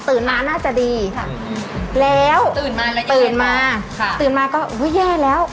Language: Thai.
มาน่าจะดีค่ะแล้วตื่นมาแล้วตื่นมาค่ะตื่นมาก็อุ้ยแย่แล้ว